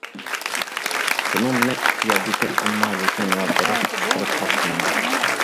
شۇنىڭ بىلەن ئىككى يەردىكى‹‹ ئەمما، لېكىن ۋە بىراق›› چىقىرىپ تاشلىنىدۇ.